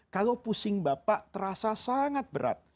kalau pusing bapak terasa sangat berat